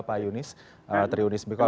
pak yunis teriunis miko